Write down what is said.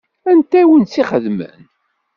Anta i wen-tt-ixedmen?